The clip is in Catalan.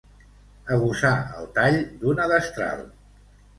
Agusar el tall d'una destral.